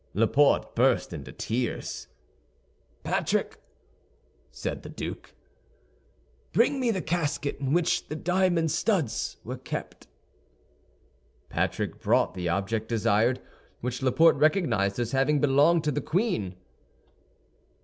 Laporte burst into tears. "Patrick," said the duke, "bring me the casket in which the diamond studs were kept." Patrick brought the object desired, which Laporte recognized as having belonged to the queen.